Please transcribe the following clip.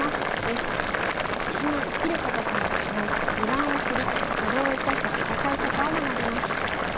石の生きる形の基本二眼を知りそれを生かした戦い方を学びます。